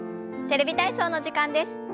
「テレビ体操」の時間です。